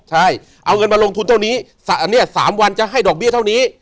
ใช่เอาเงินมาลงทุนเท่านี้๓วันจะให้ดอกเบี้ยเท่านี้